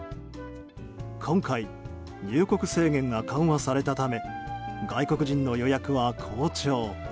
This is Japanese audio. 今回、入国制限が緩和されたため外国人の予約は好調。